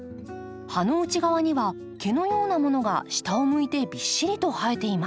葉の内側には毛のようなものが下を向いてびっしりと生えています。